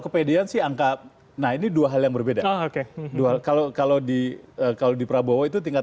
kepedean sih angka nah ini dua hal yang berbeda oke dua hal kalau kalau di kalau di prabowo itu tingkat